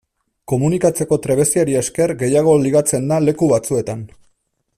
Komunikatzeko trebeziari esker gehiago ligatzen da leku batzuetan.